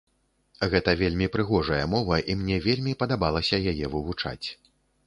Гэта вельмі прыгожая мова і мне вельмі падабалася яе вывучаць!